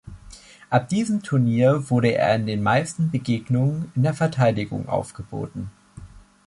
Ab diesem Turnier wurde er in den meisten Begegnungen in der Verteidigung aufgeboten.